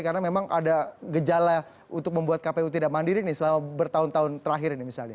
karena memang ada gejala untuk membuat kpu tidak mandiri nih selama bertahun tahun terakhir ini misalnya